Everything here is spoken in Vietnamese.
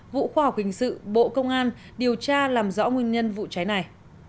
vụ khoa học hình sự bộ công an điều tra làm rõ nguyên nhân vụ cháy này